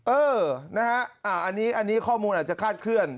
เออนะฮะอันนี้ข้อมูลอาจจะคาดเคลื่อน